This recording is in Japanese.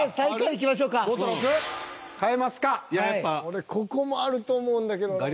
俺ここもあると思うんだけどな。